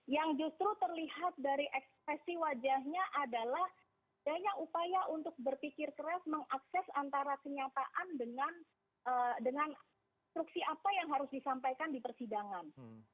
yang justru terlihat dari ekspresi wajahnya adalah banyak upaya untuk berpikir keras mengakses antara kenyataan dengan instruksi apa yang harus disampaikan di persidangan